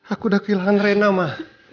aku udah kehilangan reyna ma